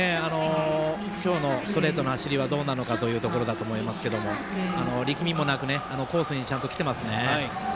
今日のストレートの走りはどうなのかというところだと思いますけど力みもなく、コースにちゃんときてますね。